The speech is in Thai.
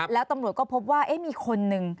แล้วตำรวจก็พบว่ามีคนหนึ่ง